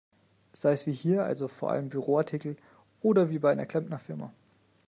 Sei's wie hier, also vor allem Büroartikel, oder wie bei einer Klempnerfirma.